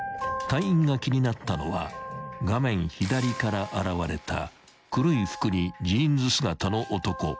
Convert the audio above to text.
［隊員が気になったのは画面左から現れた黒い服にジーンズ姿の男］